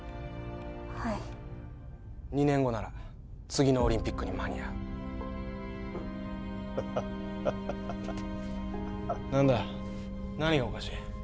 はい２年後なら次のオリンピックに間に合うフッハハハハハハ何だ何がおかしい？